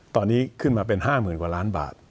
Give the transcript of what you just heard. ตอนนี้ขึ้นมาเป็น๕๐๐๐กว่าล้านบาท